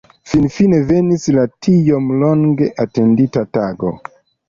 Finfine venis la tiom longe atendita tago.